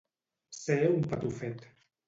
Ser un patufet.